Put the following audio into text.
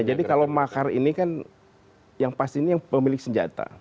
ya jadi kalau makar ini kan yang pasti ini yang pemilik senjata